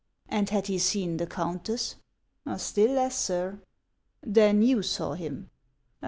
And had he seen the countess ?" "Still less, sir." " Then you saw him